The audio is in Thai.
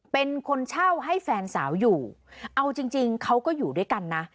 เป็นคนเช่าให้แฟนสาวอยู่เอาจริงจริงเขาก็อยู่ด้วยกันนะ